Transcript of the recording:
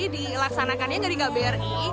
dilaksanakannya nggak di gabri